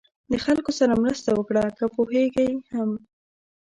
د خلکو سره مرسته وکړه که پوهېږئ هم.